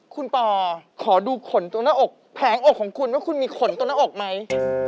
คุณปอขอดูขนตรงหน้าอกแผงอกของคุณว่าคุณมีขนตรงหน้าอกไหม